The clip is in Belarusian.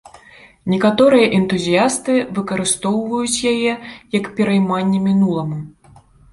Некаторыя энтузіясты выкарыстоўваюць яе як перайманне мінуламу.